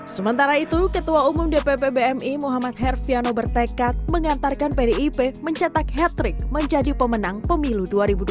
sementara itu ketua umum dpp bmi muhammad herfiano bertekad mengantarkan pdip mencetak hat trick menjadi pemenang pemilu dua ribu dua puluh